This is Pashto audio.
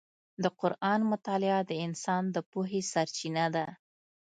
د قرآن مطالعه د انسان د پوهې سرچینه ده.